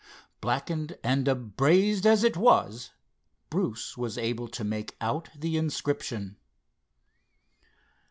Blackened and abrased as it was Bruce was able to make out the inscription.